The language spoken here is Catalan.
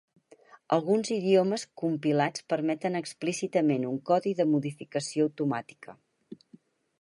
Alguns idiomes compilats permeten explícitament un codi de modificació automàtica.